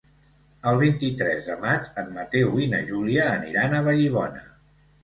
El vint-i-tres de maig en Mateu i na Júlia aniran a Vallibona.